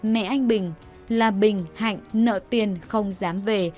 mẹ anh bình là bình hạnh nợ tiền không dám về